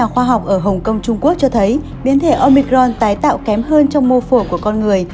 khoa học ở hồng kông trung quốc cho thấy biến thể omicron tái tạo kém hơn trong mô phổ của con người